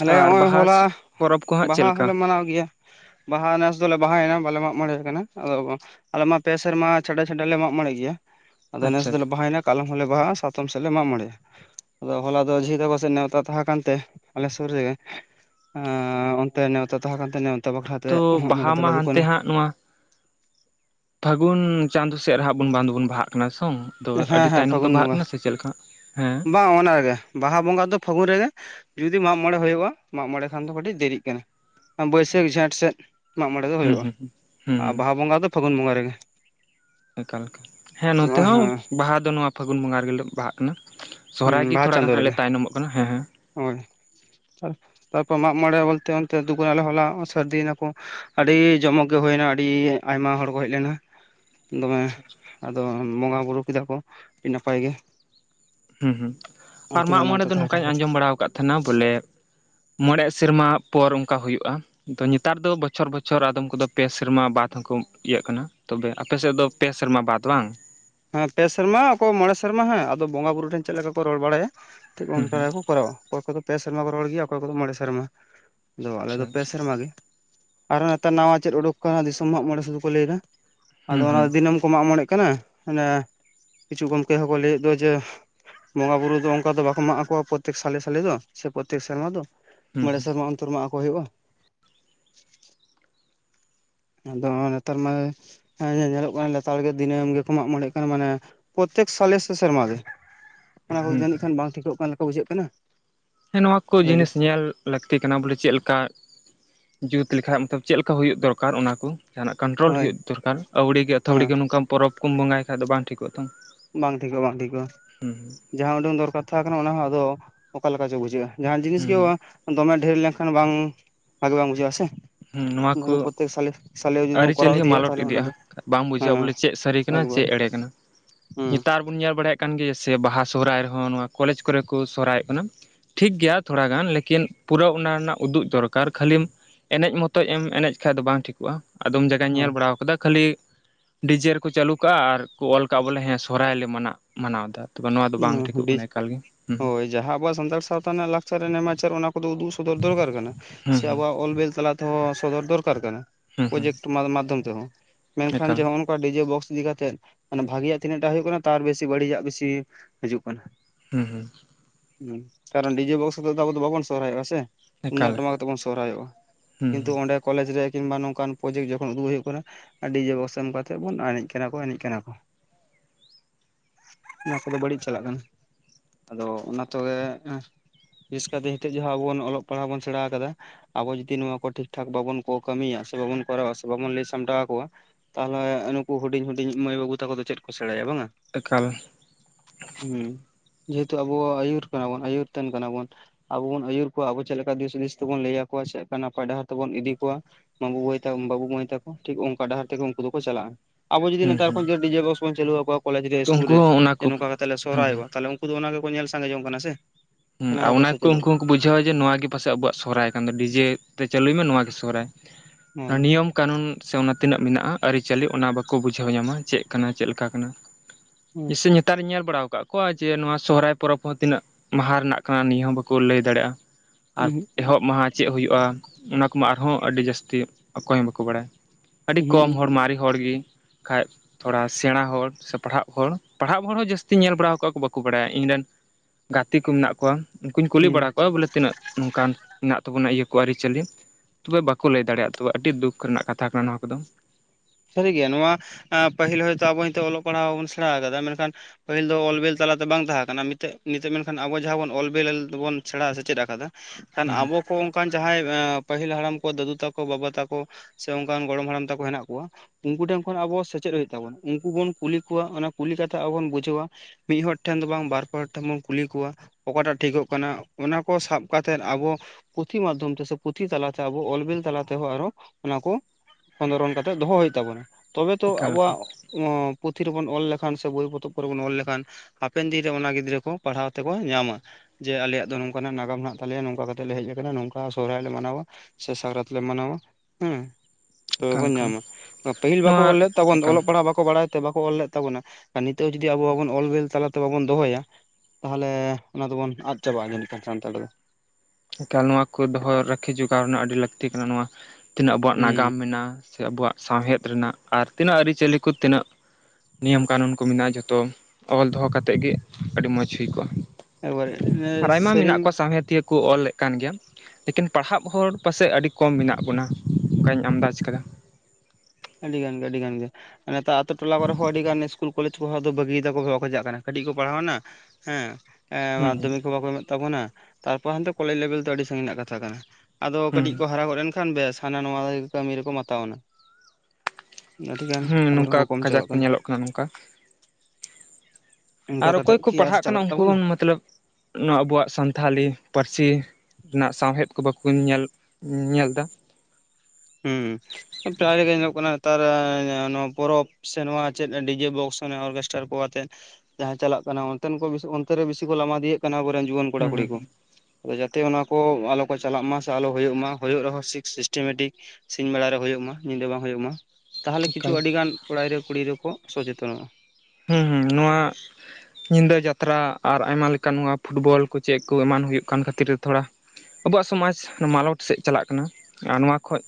ᱟᱞᱮ ᱟᱨ ᱦᱚᱜᱼᱚᱭ ᱵᱟᱦᱟ ᱦᱚᱞᱟ ᱯᱚᱨᱚᱵᱽ ᱠᱚ ᱦᱟᱸᱜ ᱪᱮᱫ ᱵᱟᱦᱟ ᱞᱮᱠᱟ ᱦᱚᱸᱞᱮ ᱢᱟᱱᱟᱣ ᱜᱮᱭᱟ ᱵᱟᱦᱟ ᱱᱮᱥ ᱫᱚᱞᱮ ᱵᱟᱦᱟᱭᱮᱱᱟ ᱵᱟᱞᱮ ᱢᱟᱜ ᱢᱚᱬᱮ ᱠᱟᱱᱟ, ᱟᱫᱚ ᱟᱞᱮ ᱢᱟ ᱯᱮ ᱥᱮᱨᱢᱟ ᱪᱷᱟᱰᱟ ᱪᱷᱟᱰᱟ ᱞᱮ ᱢᱟᱜ ᱢᱚᱬᱮᱜ ᱜᱮᱭᱟ᱾ ᱟᱫᱚ ᱱᱮᱥ ᱟᱪᱪᱷᱟ ᱫᱚᱞᱮ ᱵᱟᱦᱟᱭᱱᱟ ᱠᱟᱞᱚᱢ ᱦᱚᱸᱞᱮ ᱵᱟᱦᱟᱜᱼᱟ ᱯᱚᱛᱚᱢ ᱥᱮᱜ ᱞᱮ ᱢᱟᱜ ᱢᱚᱬᱮᱭᱟ ᱟᱫᱚ ᱦᱚᱞᱟ ᱫᱚ ᱡᱷᱤ ᱛᱟᱠᱟ ᱥᱮᱫ ᱱᱮᱣᱛᱟ ᱛᱟᱦᱮᱸ ᱠᱟᱱᱛᱮ ᱟᱞᱮ ᱥᱩᱨ ᱨᱮᱜᱮ ᱟ ᱚᱱᱛᱮ ᱱᱮᱣᱛᱟ ᱛᱟᱦᱮᱸ ᱠᱟᱱ ᱛᱮ ᱱᱮᱣᱛᱟ ᱵᱟᱠᱷᱟᱨᱟ ᱛᱮ ᱛᱚ ᱢᱟᱜ ᱵᱟᱦᱟ ᱢᱚᱬᱮ ᱢᱟ ᱫᱚᱞᱮ ᱫᱩᱠᱟ. ᱦᱟᱱᱛᱮ ᱱᱟ ᱦᱟᱸᱜ ᱱᱚᱣᱟ ᱯᱷᱟᱹᱜᱩᱱ ᱪᱟᱸᱫᱳ ᱥᱮᱜ ᱨᱮᱦᱟᱜ ᱵᱚᱱ ᱵᱟᱝ ᱫᱚᱵᱚᱱ ᱵᱟᱦᱟᱜ ᱠᱟᱱᱟ᱾ ᱛᱚᱝ ᱛᱚ ᱦᱮᱸ ᱟᱹᱰᱤ ᱦᱮᱸ ᱛᱟᱭᱱᱚᱢ ᱛᱮ ᱯᱷᱟᱹᱜᱩᱱ ᱵᱟᱦᱟᱜ ᱵᱚᱸᱜᱟ ᱠᱟᱱᱟ ᱥᱮ ᱪᱮᱫ ᱞᱮᱠᱟ? ᱦᱮᱸ ᱵᱟᱝ ᱚᱱᱟ ᱨᱮᱜᱮ ᱵᱟᱦᱟ ᱵᱚᱸᱜᱟ ᱫᱚ ᱯᱷᱟᱹᱜᱩᱱ ᱨᱮᱜᱮ ᱡᱩᱫᱤ ᱢᱟᱜᱽ ᱢᱚᱬᱮ ᱦᱩᱭᱩᱜᱼᱟ ᱢᱟᱜ ᱢᱚᱬᱮ ᱠᱷᱟᱱ ᱫᱚ ᱠᱟᱹᱴᱤᱡ ᱫᱮᱨᱤᱜ ᱠᱟᱱᱟ᱾ ᱵᱟᱹᱭᱥᱟᱹᱠ ᱡᱷᱮᱴ ᱥᱮᱫ ᱢᱟᱜ ᱢᱚᱬᱮ ᱫᱚ ᱦᱩᱸ ᱦᱳᱭᱳᱜᱼᱟ ᱦᱩᱸ ᱦᱩᱸ ᱵᱟᱦᱟ ᱵᱚᱸᱜᱟ ᱫᱚ ᱯᱷᱟᱹᱜᱩᱱ ᱵᱚᱸᱜᱟ ᱨᱮᱜᱮ ᱚᱱᱠᱟᱞᱮᱠᱟ ᱦᱮᱸ ᱱᱚᱛᱮ ᱦᱚᱸ ᱵᱟᱦᱟ ᱫᱚ ᱱᱚᱣᱟ ᱯᱷᱟᱹᱜᱩᱱ ᱵᱚᱸᱜᱟ ᱨᱮᱜᱮ ᱞᱮ ᱵᱟᱦᱟᱜ ᱠᱟᱱᱟ ᱥᱚᱦᱨᱟᱭ ᱦᱮᱸ ᱜᱮ ᱵᱟᱦᱟ ᱛᱷᱚᱲᱟ ᱜᱟᱱ ᱪᱟᱸᱫᱳ ᱦᱟᱸᱜ ᱞᱮ ᱨᱮᱜᱮ ᱛᱟᱭᱱᱚᱢᱚᱜ ᱠᱟᱱᱟ ᱦᱮᱸ ᱦᱮᱸ ᱦᱳᱭ ᱛᱟᱨᱯᱚᱨ ᱢᱟ ᱢᱚᱜ ᱢᱚᱬᱮ ᱵᱚᱞᱛᱮ ᱚᱱᱛᱮ ᱫᱚ ᱵᱟᱝ ᱦᱚᱞᱟ ᱥᱟᱹᱨᱫᱤᱭ ᱱᱟᱠᱚ ᱟᱹᱰᱤ ᱡᱚᱢᱚᱠ ᱜᱮ ᱦᱩᱭᱱᱟ ᱟᱹᱰᱤ ᱟᱭᱢᱟ ᱦᱚᱲ ᱠᱚ ᱦᱚᱡ ᱞᱮᱱᱟ [inaudible] ᱫᱚᱢᱮ ᱟᱫᱚ ᱵᱚᱸᱜᱟ ᱵᱩᱨᱩ ᱠᱮᱫᱟ ᱠᱚ ᱟᱹᱰᱤ ᱱᱟᱯᱟᱭ ᱜᱮ ᱦᱩᱸ ᱦᱮᱸ ᱟᱨ ᱚᱱᱛᱮ ᱜᱮ ᱢᱟᱜᱢᱚᱬᱮ ᱱᱚᱛᱮ ᱫᱚ ᱛᱟᱦᱮᱸ ᱠᱟᱱ ᱱᱚᱝᱠᱟᱧ ᱠᱷᱟᱹᱛᱤᱨ ᱟᱸᱡᱚᱢ ᱵᱟᱲᱟ ᱟᱠᱟᱫ ᱛᱟᱦᱮᱸᱱᱟ ᱵᱚᱞᱮ ᱢᱚᱬᱮ ᱥᱮᱨᱢᱟ ᱯᱚᱨ ᱚᱱᱠᱟ ᱦᱩᱭᱩᱜᱼᱟ ᱟᱫᱚ ᱱᱮᱛᱟᱨ ᱫᱚ ᱵᱚᱪᱷᱚᱨ ᱵᱚᱪᱷᱚᱨ ᱟᱫᱚᱢ ᱠᱚᱫᱚ ᱯᱮ ᱥᱮᱨᱢᱟ ᱵᱟᱫ ᱦᱚᱸᱠᱚ ᱟᱹᱜ ᱠᱟᱱᱟ ᱛᱚᱵᱮ ᱟᱯᱮ ᱥᱮᱫ ᱫᱚ ᱯᱮ ᱥᱮᱨᱢᱟ ᱵᱟᱫ ᱵᱟᱝ ᱦᱮᱸ ᱯᱮ ᱥᱮᱨᱢᱟ ᱟᱠᱚᱭ ᱢᱚᱬᱮ ᱥᱮᱨᱢᱟ ᱦᱮᱸ ᱟᱫᱚ ᱵᱚᱸᱜᱟ ᱵᱩᱨᱩ ᱴᱷᱮᱱ ᱪᱮᱫ ᱞᱮᱠᱟ ᱠᱚ ᱨᱚᱲ ᱵᱟᱲᱟᱭᱟ ᱴᱷᱤᱠ ᱦᱩᱸ ᱚᱱᱠᱟ ᱦᱩᱸ ᱜᱮ ᱠᱚᱨᱟᱣᱟ ᱚᱠᱚᱭ ᱠᱚᱫᱚ ᱯᱮ ᱥᱮᱨᱢᱟ ᱠᱚ ᱨᱚᱲ ᱜᱮᱭᱟ ᱚᱠᱚᱭ ᱠᱚᱫᱚ ᱢᱚᱬᱮ ᱥᱮᱨᱢᱟ ᱟᱫᱚ ᱟᱪᱪᱷᱟ ᱟᱞᱮᱫᱚ ᱯᱮ ᱟᱪᱪᱷᱟ ᱥᱮᱨᱢᱟ ᱜᱮ ᱟᱨᱚ ᱱᱮᱛᱟᱨ ᱱᱟᱣᱟ ᱪᱮᱫ ᱩᱰᱳᱠ ᱟᱠᱟᱱᱟ ᱫᱤᱥᱚᱢ ᱦᱟᱸᱜ ᱢᱚᱬᱮ ᱥᱩᱫᱩ ᱠᱚ ᱞᱟᱹᱭᱫᱟ ᱟᱫᱚ ᱦᱩᱸ ᱚᱱᱟ ᱦᱩᱸ ᱫᱚ ᱫᱤᱱᱟᱹᱢ ᱠᱚ ᱢᱟᱜ ᱢᱚᱬᱮᱜ ᱠᱟᱱᱟ ᱚᱱᱮ ᱠᱤᱪᱷᱩ ᱜᱚᱢᱠᱮ ᱦᱚᱸᱠᱚ ᱞᱟᱹᱭᱮᱫ ᱫᱚ ᱡᱮ ᱵᱚᱸᱜᱟ ᱵᱩᱨᱩ ᱫᱚ ᱚᱱᱠᱟ ᱫᱚ ᱵᱟᱠᱚ ᱢᱟᱜ ᱠᱚᱣᱟ ᱯᱨᱚᱛᱮᱠ ᱥᱟᱞᱮ ᱥᱟᱞᱮ ᱫᱚ ᱥᱮ ᱯᱨᱚᱛᱮᱠ ᱥᱮᱨᱢᱟ ᱫᱚ ᱦᱩᱸ ᱢᱚᱬᱮ ᱦᱩᱸ ᱥᱮᱨᱢᱟ ᱚᱱᱛᱚᱨ ᱢᱟᱜ ᱟᱠᱚ ᱦᱩᱭᱩᱜᱼᱟ ᱟᱫᱚ ᱱᱮᱛᱟᱨ ᱢᱟ ᱧᱮᱞᱚᱜ ᱠᱟᱱᱟ ᱞᱮᱛᱟᱲ ᱜᱮ ᱫᱤᱱᱟᱹᱢ ᱜᱮᱠᱚ ᱢᱟᱜ ᱢᱚᱬᱮᱜ ᱠᱟᱱᱟ ᱢᱟᱱᱮ ᱯᱨᱚᱛᱛᱮᱠ ᱥᱟᱞᱮ ᱥᱮ ᱥᱮᱨᱢᱟ ᱨᱮ ᱚᱱᱟ ᱠᱚ ᱦᱩᱸ ᱡᱟᱹᱱᱤᱡ ᱠᱷᱟᱱ ᱵᱟᱝ ᱴᱷᱤᱠᱚᱜ ᱠᱟᱱ ᱞᱮᱠᱟ ᱵᱩᱡᱷᱟᱹᱜ ᱠᱟᱱᱟ ᱦᱮᱸ ᱱᱚᱣᱟ ᱠᱚ ᱫᱟᱫᱤ ᱡᱤᱱᱤᱥ ᱧᱮᱞ ᱞᱟᱹᱠᱛᱤ ᱠᱟᱱᱟ ᱵᱚᱞᱮ ᱪᱮᱫ ᱞᱮᱠᱟ? ᱡᱩᱛ ᱞᱮᱠᱷᱟᱡ ᱢᱚᱛᱞᱚᱵ ᱪᱮᱫ ᱞᱮᱠᱟ ᱦᱩᱭᱩᱜ ᱫᱚᱨᱠᱟᱨ ᱚᱱᱟ ᱠᱚ? ᱡᱟᱦᱟᱱᱟᱜ ᱠᱚᱱᱴᱨᱳᱞ ᱦᱳᱭ ᱦᱩᱭᱩᱜ ᱫᱚᱨᱠᱟᱨ ᱟᱹᱣᱲᱤ ᱜᱮ ᱟᱹᱛᱷᱟᱹᱣᱟᱹᱲᱤ ᱦᱮᱸ ᱜᱮ ᱱᱚᱝᱠᱟ ᱯᱚᱨᱚᱵᱽ ᱠᱚᱢ ᱵᱚᱸᱜᱟᱭ ᱠᱷᱟᱡ ᱫᱚ ᱵᱟᱝ ᱴᱷᱤᱠᱚᱜ᱾ ᱛᱟᱢᱟ ᱵᱟᱝ ᱴᱷᱤᱤᱠᱚᱜᱼᱟ ᱵᱟᱝ ᱴᱷᱤᱠᱚᱜᱼᱟ ᱦᱩᱸ ᱡᱟᱦᱟᱸ ᱩᱰᱟᱹᱝ ᱫᱚᱨᱠᱟᱨ ᱛᱟᱦᱮᱸ ᱠᱟᱱᱟ ᱚᱱᱟ ᱦᱚᱸ ᱟᱫᱚ ᱚᱠᱟᱞᱮᱠᱟ ᱪᱚ ᱵᱩᱡᱷᱟᱹᱜᱼᱟ ᱡᱟᱦᱟᱱ ᱡᱤᱱᱤᱥ ᱜᱮ ᱦᱩᱸ ᱫᱚᱢᱮ ᱰᱷᱮᱨ ᱞᱮᱱᱠᱷᱟᱱ ᱵᱟᱝ ᱵᱷᱟᱜᱮ ᱵᱟᱝ ᱵᱩᱡᱷᱟᱹᱜᱼᱟ ᱥᱮ ᱦᱮᱸ ᱱᱚᱣᱟ ᱚᱱᱟ ᱠᱚ ᱫᱚ ᱯᱨᱚᱛᱮᱠ ᱥᱟᱞᱮ ᱥᱟᱞᱮ ᱡᱩᱫᱤ ᱵᱚᱱ ᱠᱚᱨᱟᱣ ᱟᱹᱨᱤᱪᱟᱞᱤ ᱦᱚᱸ ᱤᱫᱤᱭᱟ ᱢᱟᱞᱚᱴ ᱛᱟᱦᱚᱞᱮ ᱚᱱᱟ ᱤᱫᱤᱜᱼᱟ ᱫᱚ ᱵᱟᱝ ᱵᱩᱡᱷᱟᱹᱜᱼᱟ ᱵᱚᱞᱮ ᱦᱮᱸ ᱪᱮᱫ ᱥᱟᱹᱨᱤ ᱠᱟᱱᱟ ᱪᱮᱫ ᱮᱠᱵᱟᱨᱮ ᱮᱲᱮ ᱠᱟᱱᱟ ᱦᱩᱸ ᱱᱮᱛᱟᱨ ᱵᱚᱱ ᱧᱮᱞ ᱵᱟᱲᱟᱭᱮᱫ ᱠᱟᱱ ᱜᱮᱭᱟ ᱡᱟᱹᱥ? ᱥᱮ ᱵᱟᱦᱟ ᱥᱚᱦᱨᱟᱭ ᱨᱮᱦᱚᱸ ᱱᱚᱣᱟ ᱠᱚᱞᱮᱡᱽ ᱠᱚᱨᱮ ᱠᱚ ᱥᱚᱦᱨᱟᱭᱚᱜ ᱠᱟᱱᱟ ᱴᱷᱤᱠ ᱜᱮᱭᱟ ᱛᱷᱚᱲᱟ ᱜᱟᱱ ᱞᱮᱠᱤᱱ ᱯᱩᱨᱟᱹ ᱚᱱᱟ ᱨᱮᱱᱟᱜ ᱩᱫᱩᱜ ᱫᱚᱨᱠᱟᱨ ᱠᱷᱟᱹᱞᱤᱢ ᱮᱱᱮᱡ ᱢᱚᱛᱚᱡ ᱮᱢ ᱮᱱᱮᱡ ᱠᱷᱟᱸᱡ ᱫᱚ ᱵᱟᱝ ᱴᱷᱤᱠᱚᱜᱼᱟ ᱟᱫᱚᱢ ᱡᱟᱭᱜᱟᱧ ᱦᱳᱭ ᱧᱮᱞ ᱵᱟᱲᱟ ᱟᱠᱟᱫᱟ ᱠᱷᱟᱹᱞᱤ ᱰᱤᱡᱮ ᱨᱮᱠᱚ ᱪᱟᱹᱞᱩ ᱠᱟᱜᱼᱟ ᱟᱨ ᱠᱚ ᱚᱞ ᱠᱟᱜᱼᱟ ᱵᱚᱞᱮ ᱦᱮᱸ ᱥᱚᱨᱦᱟᱭ ᱞᱮ ᱢᱟᱱᱟᱣ ᱢᱟᱱᱟᱣᱫᱟ ᱚ ᱦᱳᱭ ᱡᱟᱦᱟᱸ ᱟᱵᱚ ᱥᱟᱱᱛᱟᱲ ᱥᱟᱶᱛᱟ ᱨᱮᱱᱟᱜ ᱞᱟᱠᱪᱟᱨ ᱱᱮᱢᱟᱪᱟᱨ ᱚᱱᱟ ᱠᱚᱫᱚ ᱩᱫᱩᱜ ᱥᱚᱫᱚᱨ ᱫᱚᱨᱠᱟᱨ ᱠᱟᱱᱟ ᱥᱮ ᱦᱩᱸ ᱟᱵᱚᱣᱟᱜ ᱚᱞ ᱵᱤᱞ ᱛᱟᱞᱟ ᱛᱮᱦᱚᱸ ᱥᱚᱫᱚᱨ ᱫᱚᱨᱠᱟᱨ ᱠᱟᱱᱟ ᱦᱩᱸ ᱦᱩᱸ ᱦᱩᱸ ᱯᱨᱚᱡᱮᱠᱴ ᱢᱟᱫᱽᱫᱷᱚᱢ ᱛᱮᱦᱚᱸ ᱢᱮᱱᱠᱷᱟᱱ ᱢᱮ ᱮᱠᱟᱞ ᱱᱚᱜᱼᱚᱭ ᱱᱚᱝᱠᱟ ᱰᱤᱡᱮ ᱵᱚᱠᱥ ᱤᱫᱤ ᱠᱟᱛᱮᱜ ᱢᱟᱱᱮ ᱵᱷᱟᱜᱤᱭᱟᱜ ᱛᱤᱱᱟᱹᱜᱴᱟᱜ ᱦᱩᱭᱩᱜ ᱠᱟᱱᱟ ᱛᱟᱨ ᱵᱮᱥᱤ ᱵᱟᱹᱲᱤᱡᱟᱜ ᱵᱮᱥᱤ ᱦᱤᱡᱩᱜ ᱠᱟᱱᱟ ᱦᱮᱸ ᱦᱮᱸ ᱠᱟᱨᱚᱱ ᱰᱤᱡᱮ ᱵᱚᱠᱥ ᱨᱮᱫᱚ ᱟᱵᱚ ᱫᱚ ᱵᱟᱵᱚᱱ ᱥᱚᱦᱨᱟᱭᱚᱜᱼᱟ ᱥᱮ ᱛᱩᱢᱫᱟᱜ ᱮᱠᱟᱞ ᱴᱟᱢᱟᱠ ᱮᱠᱟᱞ ᱠᱟᱛᱮᱜ ᱵᱚᱱ ᱥᱚᱨᱦᱟᱭᱚᱜᱼᱟ ᱦᱩᱸ ᱠᱤᱱᱛᱩ ᱦᱩᱸ ᱚᱸᱰᱮ ᱠᱚᱞᱮᱡᱽ ᱨᱮ ᱠᱤᱢᱵᱟ ᱱᱚᱝᱠᱟᱱ ᱯᱨᱚᱡᱮᱠᱴ ᱡᱚᱠᱷᱚᱱ ᱩᱫᱩᱜ ᱦᱩᱭᱩᱜ ᱠᱟᱱᱟ ᱰᱤᱡᱮ ᱵᱚᱠᱥ ᱮᱢ ᱠᱟᱛᱮ ᱵᱚᱱ ᱮᱱᱮᱡ ᱠᱟᱱᱟ ᱠᱚ ᱮᱱᱮᱡ ᱠᱟᱱᱟ ᱠᱚ [inaudible] ᱚᱱᱟ ᱠᱚᱫᱚ ᱵᱟᱹᱲᱤᱡ ᱪᱟᱞᱟᱜ ᱠᱟᱱᱟ ᱟᱫᱚ ᱚᱱᱟ ᱛᱮ ᱵᱮᱥᱠᱟᱛᱮ ᱱᱤᱛᱚᱜ ᱡᱟᱦᱟᱸ ᱟᱵᱚᱱ ᱚᱞᱚᱜ ᱯᱟᱲᱦᱟᱜ ᱵᱚᱱ ᱥᱮᱬᱟ ᱟᱠᱟᱫᱟ ᱟᱵᱚ ᱡᱩᱫᱤ ᱱᱚᱣᱟ ᱠᱚ ᱴᱷᱤᱠ ᱴᱷᱟᱠ ᱵᱟᱵᱚᱱ ᱠᱚ ᱠᱟᱹᱢᱤᱭᱟ ᱥᱮ ᱵᱟᱵᱚᱱ ᱠᱚᱨᱟᱣᱟ ᱥᱮ ᱵᱟᱵᱚᱱ ᱞᱟᱹᱭ ᱥᱟᱢᱴᱟᱣ ᱟᱠᱚᱣᱟ ᱛᱟᱦᱚᱞᱮ ᱱᱩᱠᱩ ᱦᱩᱰᱤᱧ ᱦᱩᱰᱤᱧ ᱢᱟᱹᱭ ᱵᱟᱹᱵᱩ ᱛᱟᱠᱚ ᱫᱚ ᱪᱮᱫ ᱠᱚ ᱵᱟᱝᱟ ᱮᱠᱟᱞ ᱦᱮᱸ ᱡᱮᱦᱮᱛᱩ ᱟᱵᱚ ᱟᱹᱭᱩᱨ ᱠᱟᱱᱟᱵᱚᱱ ᱟᱹᱭᱩᱨ ᱛᱮᱱ ᱠᱟᱱᱟᱵᱚᱱ ᱟᱵᱚ ᱵᱚᱱ ᱟᱹᱭᱩᱨ ᱠᱚᱣᱟ ᱟᱵᱚ ᱪᱮᱫᱠᱟ ᱫᱤᱥ ᱦᱩᱫᱤᱥ ᱛᱮᱵᱚᱱ ᱞᱟᱹᱭᱟ ᱣᱟ ᱪᱮᱫ ᱱᱟᱯᱟᱭ ᱰᱟᱦᱟᱨ ᱛᱮᱵᱚᱱ ᱤᱫᱤ ᱠᱚᱣᱟ ᱵᱟᱹᱵᱩ ᱵᱟᱹᱵᱩ ᱢᱟᱹᱭ ᱛᱟᱠᱚ ᱴᱷᱤᱠ ᱚᱠᱟ ᱰᱟᱦᱟᱨ ᱛᱮᱜᱮ ᱩᱱᱠᱩ ᱫᱚᱠᱚ ᱪᱟᱞᱟᱜᱼᱟ ᱟᱵᱚ ᱡᱩᱫᱤ ᱦᱩᱸ ᱱᱮᱛᱟᱨ ᱦᱩᱸ ᱠᱷᱚᱱ ᱡ ᱰᱤᱡᱮ ᱵᱚᱠᱥ ᱵᱚᱱ ᱪᱟᱹᱞᱩ ᱟᱠᱚᱣᱟ ᱠᱚᱞᱮᱡᱽ ᱨᱮ ᱛᱚ ᱤᱥᱠᱩᱞ ᱩᱱᱠᱩ ᱨᱮ ᱦᱚᱸ ᱚᱱᱟ ᱡᱮ ᱠᱚ ᱱᱚᱝᱠᱟ ᱠᱟᱛᱮ ᱞᱮ ᱦᱩᱸ ᱦᱩᱸ ᱥᱚᱨᱦᱟᱭᱚᱜᱼᱟ ᱛᱟᱦᱞᱮ ᱩᱱ ᱫᱚ ᱚᱱᱟ ᱜᱮ ᱧᱮᱞ ᱥᱟᱸᱜᱮ ᱡᱚᱝ ᱠᱟᱱᱟ ᱥᱮ ᱦᱮᱸ ᱜᱮᱠᱚ ᱚᱱᱟ ᱠᱚ ᱩᱱᱠᱩ ᱥᱮᱪᱮᱫᱚᱜᱼᱟ ᱦᱚᱸᱠᱚ ᱵᱩᱡᱷᱟᱹᱣᱟ ᱡᱮ ᱱᱚᱶᱟ ᱜᱮ ᱯᱟᱥᱮ ᱟᱵᱚᱣᱟᱜ ᱥᱚᱨᱦᱟᱭ ᱠᱟᱱ ᱫᱚ ᱰᱤᱡᱮ ᱛᱮ ᱪᱟᱹᱞᱩᱭ ᱱᱚᱣᱟ ᱜᱮ ᱥᱚᱦᱨᱟᱭ ᱦᱳᱭ ᱱᱤᱭᱚᱢ ᱠᱟᱹᱱᱩᱱ ᱥᱮ ᱚᱱᱟ ᱛᱤᱱᱟᱹᱜ ᱢᱮᱱᱟᱜᱼᱟ ᱟᱹᱨᱤᱪᱟᱹᱞᱤ ᱚᱱᱟ ᱵᱟᱠᱚ ᱵᱩᱡᱷᱟᱹᱣ ᱧᱟᱢᱟ ᱪᱮᱫ ᱠᱟᱱᱟ ᱪᱮᱫ ᱞᱮᱠᱟ ᱠᱟᱱᱟ ᱦᱳᱭ ᱡᱮᱣᱥᱮ ᱱᱮᱛᱟᱨᱤᱧ ᱧᱮᱞ ᱵᱟᱲᱟ ᱟᱠᱟᱫ ᱠᱚᱣᱟ ᱡᱮ ᱱᱚᱣᱟ ᱥᱚᱨᱦᱟᱭ ᱯᱚᱨᱚᱵᱽ ᱦᱚᱸ ᱛᱤᱱᱟᱹᱜ ᱢᱟᱦᱟ ᱨᱮᱱᱟᱜ ᱠᱟᱱᱟ ᱱᱤᱭᱟᱹ ᱦᱚᱸ ᱵᱟᱠᱚ ᱞᱟᱹᱭ ᱫᱟᱲᱮᱭᱟᱜᱼᱟ ᱟᱨ ᱩᱸᱦᱩᱜ ᱮᱦᱚᱵ ᱢᱟᱦᱟ ᱪᱮᱫ ᱦᱩᱭᱩᱜᱼᱟ ᱚᱱᱟ ᱠᱚᱢᱟ ᱟᱨᱦᱚᱸ ᱟᱹᱰᱤ ᱡᱟᱹᱥᱛᱤ ᱚᱠᱚᱭ ᱦᱚᱸ ᱵᱟᱠᱚ ᱵᱟᱲᱟᱭᱟ ᱟᱹᱰᱤ ᱠᱚᱢ ᱦᱩᱸ ᱦᱚᱲ ᱢᱟᱨᱮ ᱦᱚᱲᱜᱤ ᱠᱷᱟᱱᱡ ᱛᱷᱚᱲᱟ ᱥᱮᱬᱟ ᱦᱚᱲ ᱥᱮ ᱯᱟᱲᱦᱟᱜ ᱦᱚᱲ ᱯᱟᱲᱦᱟᱜ ᱦᱚᱲ ᱦᱚᱸ ᱡᱟᱹᱥᱛᱤ ᱧᱮᱞ ᱵᱟᱲᱟ ᱠᱚᱟᱜᱼᱟ ᱠᱚ ᱵᱟᱠᱚ ᱵᱟᱲᱟᱭᱟ ᱤᱧᱨᱮᱱ ᱜᱟᱛᱮ ᱠᱚ ᱢᱮᱱᱟᱜ ᱠᱚᱣᱟ ᱩᱱᱠᱩᱧ ᱠᱩᱞᱤ ᱦᱩᱸ ᱵᱟᱲᱟ ᱠᱚᱣᱟ ᱵᱚᱞᱮ ᱛᱤᱱᱟᱹᱜ ᱱᱚᱝᱠᱟᱱ ᱢᱮᱱᱟᱜ ᱛᱟᱠᱚᱣᱟ ᱛᱟᱵᱚᱱᱟ ᱤᱭᱟᱹ ᱠᱚ ᱟᱹᱨᱤᱪᱟᱹᱞᱤ ᱛᱚᱵᱮ ᱵᱟᱠᱚ ᱞᱟᱹᱭ ᱫᱟᱲᱮᱭᱟᱜ ᱛ ᱟᱹᱰᱤ ᱫᱩᱠ ᱨᱮᱱᱟᱜ ᱠᱟᱛᱷᱟ ᱠᱟᱱᱟ ᱱᱚᱣᱟ ᱠᱚᱫᱚ ᱥᱟᱹᱨᱤᱜᱮ ᱱᱚᱣᱟ ᱯᱟᱹᱦᱤᱞ ᱦᱚᱭᱛᱳ ᱟᱵᱚ ᱱᱤᱛᱚᱜ ᱚᱞᱚᱜ ᱯᱟᱲᱦᱟᱣ ᱵᱚᱱ ᱥᱮᱬᱟ ᱟᱠᱟᱫᱟ ᱢᱮᱱᱠᱷᱟᱱ ᱯᱟᱦᱤᱞ ᱫᱚ ᱚᱞᱵᱤᱞ ᱛᱟᱞᱟᱛᱮ ᱵᱟᱝ ᱛᱟᱦᱮᱸ ᱠᱟᱱᱟ ᱱᱤᱛ ᱱᱤᱛᱚᱜ ᱢᱮᱱᱠᱷᱟᱱ ᱟᱵᱚ ᱡᱟᱦᱟᱸ ᱵᱚᱱ ᱚᱞ ᱵᱤᱞ ᱵᱚᱱ ᱥᱮᱬᱟ ᱥᱮ ᱪᱮᱫ ᱟᱠᱟᱫᱟ ᱠᱷᱟᱱ ᱦᱩᱸ ᱟᱵᱚ ᱠᱚ ᱚᱱᱠᱟᱱ ᱡᱟᱦᱟᱸᱭ ᱯᱟᱹᱦᱤᱞ ᱦᱟᱲᱟᱢ ᱠᱚ ᱫᱟᱫᱩ ᱛᱟᱠᱚ ᱵᱟᱵᱟ ᱛᱟᱠᱚ ᱥᱮ ᱚᱱᱠᱟᱱ ᱜᱚᱲᱚᱢ ᱦᱟᱲᱟᱢ ᱛᱟᱠᱚ ᱦᱮᱱᱟᱜ ᱠᱚᱣᱟ ᱩᱱᱠᱩ ᱴᱷᱮᱱ ᱠᱷᱚᱱ ᱟᱵᱚ ᱥᱮᱪᱮᱫ ᱦᱩᱭᱩᱜ ᱛᱟᱵᱚᱱᱟ ᱩᱱᱠᱩ ᱵᱚᱱ ᱠᱩᱞᱤ ᱠᱚᱣᱟ ᱚᱱᱟ ᱠᱩᱞᱤᱛ ᱟᱵᱚ ᱵᱚᱱ ᱵᱩᱡᱷᱟᱹᱣᱟ ᱢᱤᱫ ᱦᱚᱲ ᱴᱷᱮᱱ ᱫᱚ ᱵᱟᱝ ᱵᱟᱨ ᱯᱮ ᱴᱷᱮᱱ ᱵᱚᱱ ᱠᱩᱞᱤ ᱠᱚᱣᱟ ᱚᱠᱟᱴᱟᱜ ᱴᱷᱤᱠᱚᱜ ᱠᱟᱱᱟ ᱚᱱᱟ ᱠᱚ ᱥᱟᱵ ᱠᱟᱛᱮᱫ ᱟᱵᱚ ᱯᱩᱛᱷᱤ ᱢᱟᱫᱽᱫᱷᱚᱢ ᱛᱮ ᱥᱮ ᱯᱩᱛᱷᱤ ᱛᱟᱞᱟᱛᱮ ᱟᱵᱚ ᱚᱞᱵᱤᱞ ᱛᱟᱞᱟ ᱛᱮᱦᱚᱸ ᱟᱨᱚ ᱚᱱᱟ ᱠᱚ ᱠᱷᱚᱸᱫᱽᱨᱚᱱ ᱠᱟᱛᱮ ᱫᱚᱦᱚ ᱦᱩᱭᱩᱜ ᱛᱟᱵᱚᱱᱟ ᱛᱟᱵᱚᱱᱟ ᱛᱚᱵᱮ ᱛᱚ ᱮᱠᱟᱞ ᱟᱵᱚᱣᱟᱜ ᱯᱩᱛᱷᱤ ᱨᱮᱵᱚᱱ ᱚᱞ ᱞᱮᱠᱷᱟᱱ ᱥᱮ ᱵᱳᱭ ᱯᱚᱛᱚᱵ ᱠᱚᱨᱮ ᱵᱚᱱ ᱚᱞ ᱞᱮᱠᱷᱟᱱ ᱦᱟᱯᱮᱱ ᱫᱤᱱ ᱨᱮ ᱚᱱᱟ ᱜᱤᱫᱽᱨᱟᱹ ᱠᱚ ᱯᱟᱲᱦᱟᱣ ᱛᱮᱠᱚ ᱧᱟᱢᱟ ᱡᱮ ᱟᱞᱮᱭᱟᱜ ᱫᱚ ᱱᱚᱝᱠᱟᱱᱟᱜ ᱱᱟᱜᱟᱢ ᱢᱮᱱᱟᱜ ᱛᱟᱞᱮᱭᱟ ᱱᱚᱝᱠᱟ ᱠᱟᱛᱮ ᱞᱮ ᱦᱮᱡ ᱟᱠᱟᱱᱟ ᱱᱚᱝᱠᱟ ᱥᱚᱨᱦᱟᱭ ᱞᱮ ᱢᱟᱱᱟᱣᱟ ᱥᱮ ᱥᱟᱠᱨᱟᱛ ᱞᱮ ᱢᱟᱱᱟᱣᱟ ᱦᱮᱸ ᱛᱚᱵᱮ ᱵᱚᱱ ᱚᱱᱠᱟᱱ ᱧᱟᱢᱟ ᱯᱟᱹᱦᱤᱞ ᱵᱟᱠᱚ ᱚᱞ ᱞᱮᱫ ᱛᱟᱵᱚᱱ ᱚᱞᱚᱜ ᱯᱟᱲᱦᱟᱜ ᱵᱟᱠᱚ ᱵᱟᱲᱟᱭᱟ ᱛᱮ ᱵᱟᱠᱚ ᱚᱞ ᱞᱮᱫ ᱛᱟᱵᱚᱱᱟ ᱟᱨ ᱱᱤᱛᱚᱜ ᱡᱩᱫᱤ ᱟᱵᱚᱵᱚᱱ ᱚᱞᱵᱤᱞ ᱛᱟᱞᱟᱛᱮ ᱵᱟᱵᱚᱱ ᱫᱚᱦᱚᱭᱟ ᱛᱟᱦᱚᱞᱮ ᱚᱱᱟ ᱫᱚᱵᱚᱱ ᱟᱫ ᱪᱟᱵᱟᱜᱼᱟ ᱡᱟᱹᱱᱤᱡ ᱥᱟᱱᱛᱟᱲᱫᱚ ᱮᱠᱟᱞ ᱱᱚᱣᱟ ᱠᱚ ᱫᱚᱦᱚ ᱨᱟᱹᱠᱷᱤ ᱡᱚᱜᱟᱣ ᱨᱮᱱᱟᱜ ᱟᱹᱰᱤ ᱞᱟᱹᱠᱛᱤ ᱠᱟᱱᱟ ᱱᱚᱣᱟ ᱛᱤᱱᱟᱹᱜ ᱟᱵᱚᱣᱟᱜ ᱱᱟᱜᱟᱢ ᱦᱩᱸ ᱢᱮᱱᱟᱜᱼᱟ ᱥᱮ ᱟᱵᱚᱣᱟᱜ ᱥᱟᱶᱦᱮᱫ ᱨᱮᱱᱟᱜ ᱟᱨ ᱛᱤᱱᱟᱹᱜ ᱟᱹᱨᱤᱪᱟᱹᱞᱤ ᱠᱚ ᱛᱤᱱᱟᱹᱜ ᱱᱤᱭᱚᱢ ᱠᱟᱱᱩᱱ ᱠᱚ ᱢᱮᱱᱟᱜᱼᱟ ᱡᱚᱛᱚ ᱚᱞ ᱫᱚᱦᱚ ᱠᱟᱛᱮᱫ ᱜᱮ ᱟᱹᱰᱤ ᱢᱚᱸᱡᱽ ᱦᱩᱭ ᱠᱚᱜᱼᱟ ᱮᱵᱟᱨ ᱟᱨ ᱟᱭᱢᱟ ᱥᱮᱨᱮᱧ ᱢᱮᱱᱟᱜ ᱠᱚᱣᱟ ᱥᱟᱶᱸᱦᱮᱫᱤᱭᱟᱹ ᱠᱚ ᱚᱞᱮᱫ ᱠᱟᱱ ᱜᱮᱭᱟ ᱞᱮᱠᱤᱱ ᱯᱟᱲᱦᱟᱜ ᱦᱚᱲ ᱯᱟᱥᱮᱡ ᱟᱹᱰᱤ ᱠᱚᱢ ᱢᱮᱱᱟᱜ ᱵᱚᱱᱟ ᱚᱱᱠᱟᱧ ᱟᱢᱫᱟᱡᱽ ᱟᱠᱟᱫᱟ ᱟᱹᱰᱤ ᱜᱟᱱ ᱜᱮ ᱟᱹᱰᱤ ᱜᱟᱱ ᱜᱮ ᱱᱮᱛᱟᱨ ᱟᱛᱳ ᱴᱚᱞᱟ ᱠᱚᱨᱮᱦᱚᱸ ᱟᱹᱰᱤ ᱜᱟᱱ ᱤᱥᱠᱩᱞ ᱠᱚᱞᱮᱡᱽ ᱠᱚᱦᱚᱸ ᱵᱟᱹᱜᱤᱭ ᱫᱟᱠᱚᱸ ᱵᱟᱝ ᱠᱚ ᱪᱟᱞᱟᱜ ᱠᱟᱱᱟ ᱟᱹᱰᱤ ᱠᱚ ᱯᱟᱲᱦᱟᱣᱱᱟ ᱦᱮᱸ ᱦᱸ ᱦᱩᱸ ᱦᱩᱸ ᱢᱟᱫᱽᱫᱷᱤᱠ ᱦᱚᱸ ᱵᱟᱠᱚ ᱮᱢ ᱛᱟᱵᱚᱱᱟ ᱛᱟᱨᱯᱚᱨ ᱦᱟᱱᱛᱮ ᱠᱚᱞᱮᱡ ᱞᱮᱵᱮᱞ ᱫᱚ ᱟᱹᱰᱤ ᱥᱟᱺᱜᱤᱧ ᱨᱮᱱᱟᱜ ᱠᱟᱛᱷᱟ ᱠᱟᱱᱟ ᱟᱫᱚ ᱠᱟᱹᱴᱤᱡ ᱦᱩᱸ ᱠᱚ ᱦᱟᱨᱟ ᱜᱚᱫ ᱮᱱᱠᱷᱟᱱ ᱵᱮᱥ ᱦᱟᱱᱟ ᱱᱚᱣᱟ ᱠᱟᱹᱢᱤ ᱨᱮᱠᱚ ᱢᱟᱛᱟᱣᱱᱟ ᱟᱹᱰᱤᱜᱟᱱ ᱦᱮᱸ ᱟᱵᱚᱨᱮᱱ ᱱᱚᱝᱠᱟ ᱠᱚ ᱠᱚᱢ ᱠᱟᱡᱟᱠ ᱪᱟᱵᱟᱜ ᱠᱚ ᱧᱮᱞᱚᱜ ᱠᱟᱱᱟ ᱱᱚᱝᱠᱟ ᱚᱱᱠᱟ ᱟᱨ ᱚᱠᱚᱭ ᱠᱟᱛᱮᱜ ᱠᱚ ᱠᱤ ᱟᱨ ᱯᱟᱲᱦᱟᱜ ᱠᱟᱱᱟ ᱪᱟᱞᱟᱜ ᱩᱱᱠᱩ ᱛᱟᱵᱚᱱᱟ ᱦᱚᱸ ᱢᱚᱛᱞᱟᱵ ᱱᱚᱶᱟ ᱟᱵᱚᱣᱟᱜ ᱥᱟᱱᱛᱟᱲᱤ ᱯᱟᱹᱨᱥᱤ ᱨᱮᱱᱟᱜ ᱥᱟᱶᱦᱮᱫ ᱠᱚ ᱵᱟᱠᱚ ᱧᱮᱞ ᱧᱮᱞ ᱮᱫᱟ ᱦᱮᱸ ᱯᱨᱟᱭ ᱞᱮᱠᱟ ᱧᱮᱞᱚᱜ ᱠᱟᱱᱟ ᱱᱮᱛᱟᱨ ᱱᱚᱣᱟ ᱯᱚᱨᱚᱵᱽ ᱥᱮ ᱱᱚᱣᱟ ᱪᱮᱫ ᱰᱤᱡᱮ ᱵᱚᱠᱥ ᱚᱨᱮᱥᱴᱟᱨ ᱠᱚ ᱟᱛᱮ ᱡᱟᱦᱟᱸ ᱪᱟᱞᱟᱜ ᱠᱟᱱᱟ ᱚᱱ ᱚᱱᱛᱮᱱ ᱨᱮ ᱵᱤᱥᱤ ᱠᱚ ᱞᱟᱢᱟ ᱫᱤᱭᱟᱜ ᱠᱟᱱᱟ ᱡᱤᱣᱟᱱ ᱠᱚᱲᱟ ᱦᱩᱸ ᱠᱩᱲᱤ ᱦᱩᱸ ᱠᱩᱲᱤ ᱠᱚ ᱟᱫᱚ ᱡᱟᱛᱮ ᱚᱱᱟ ᱠᱚ ᱟᱞᱚ ᱠᱚ ᱪᱟᱞᱟᱜ ᱢᱟ ᱥᱮ ᱟᱞᱚ ᱦᱩᱭᱩᱜ ᱢᱟ ᱦᱩᱭᱩᱜ ᱨᱮᱦᱚᱸ ᱥᱤᱠ ᱥᱤᱥᱴᱮᱢᱮᱴᱤᱠ ᱥᱤᱧ ᱵᱮᱲᱟ ᱦᱩᱭᱩᱜ ᱢᱟ ᱧᱤᱫᱟᱹ ᱵᱟᱝ ᱦᱩᱭᱩᱜ ᱢᱟ ᱛᱟᱦᱚᱞᱮ ᱠᱤᱪᱷᱩ ᱮᱠᱟᱞ ᱟᱹᱰᱤ ᱜᱟᱱ ᱠᱚᱲᱟ ᱜᱤᱫᱽᱨᱟᱹ ᱠᱩᱲᱤ ᱫᱚᱠᱚ ᱥᱚᱪᱮᱛᱚᱱᱼᱟ ᱦᱮᱸ ᱦᱮᱸ ᱱᱚᱣᱟ ᱧᱤᱫᱟᱹ ᱡᱟᱛᱨᱟ ᱟᱨ ᱟᱭᱢᱟᱠ ᱱᱚᱣᱟ ᱯᱷᱩᱴᱵᱚᱞ ᱠᱚ ᱪᱮᱫ ᱠᱚ ᱮᱢᱟᱱ ᱦᱩᱭᱩᱜ ᱠᱟᱱ ᱠᱷᱟᱹᱛᱤᱨ ᱛᱮ ᱛᱷᱚᱲᱟ ᱟᱵᱚᱣᱟᱜ ᱥᱚᱢᱟᱡᱽ ᱢᱟᱞᱚᱴ ᱥᱮᱫ ᱪᱟᱞᱟᱜ ᱠᱟᱱᱟ ᱟᱨ ᱱᱚᱣᱟ ᱠᱷᱚᱡ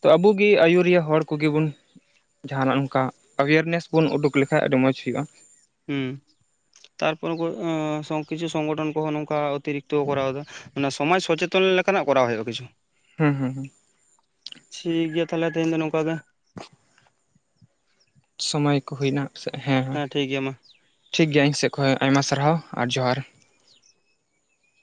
ᱛᱚ ᱟᱵᱚ ᱜᱮ ᱟᱹᱩᱨᱤᱭᱟᱹ ᱦᱚᱲ ᱠᱚᱜᱮ ᱵᱚᱱ ᱡᱟᱦᱟᱱᱟᱜ ᱱᱚᱝᱠᱟ ᱮᱣᱮᱨᱱᱮᱥ ᱵᱚᱱ ᱩᱰᱩᱠ ᱫᱩᱠ ᱞᱮᱠᱟᱱ ᱟᱹᱰᱤ ᱢᱚᱸᱡᱽ ᱦᱩᱭᱩᱜᱼᱟ ᱦᱮᱸ ᱛᱟᱨᱯᱚᱨᱮ ᱠᱚᱝ ᱠᱤᱪᱷᱩ ᱥᱚᱝᱜᱚᱴᱷᱚᱱ ᱠᱚᱦᱚᱸ ᱱᱚᱝᱠᱟ ᱚᱛᱤᱨᱤᱠᱛᱚ ᱠᱚᱨᱟᱣ ᱮᱫᱟ ᱚᱱᱟ ᱥᱚᱢᱟᱡᱽ ᱥᱚᱪᱮᱛᱚᱱ ᱞᱮᱠᱟᱱᱟᱜ ᱠᱚᱨᱟᱣ ᱦᱩᱭᱩᱜᱼᱟ ᱠᱤᱪᱷᱩ ᱦᱮᱸ ᱦᱮᱸ ᱦᱮᱸ ᱴᱷᱤᱠ ᱜᱮᱭᱟ ᱛᱟᱦᱚᱞᱮ ᱛᱮᱦᱮᱧ ᱫᱚ ᱱᱚᱝᱠᱟ ᱜᱮ [inaudible] ᱥᱚᱢᱚᱭ ᱠᱚ ᱦᱩᱭᱱᱟ ᱦᱮᱸ ᱴᱷᱤᱠ ᱜᱮᱭᱟ ᱢᱟ ᱴᱷᱤᱠᱜᱮᱭᱟ ᱤᱧ ᱥᱮᱫ ᱠᱷᱚᱡ ᱟᱭᱢᱟ ᱥᱟᱨᱦᱟᱣ ᱟᱨ ᱡᱚᱦᱟᱨ